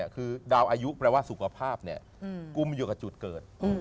คือดาวอายุแปลว่าสุขภาพกุมอยู่กับจุดเกิด